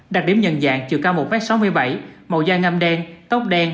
đặc điểm nhận dạng chiều cao một m sáu mươi bảy màu da ngâm đen tóc đen